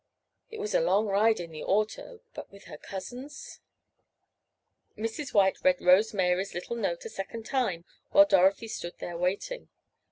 It was a long ride in the auto—but with her cousins— Mrs. White read Rose Mary's little note a second time while Dorothy stood there waiting.